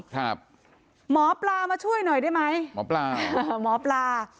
หมอปลามาช่วยหน่อยได้ไหมหมอปลา